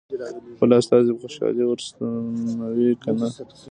خپل استازی په خوشالۍ ور ستنوي که نه.